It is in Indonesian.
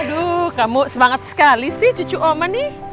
aduh kamu semangat sekali sih cucu oman nih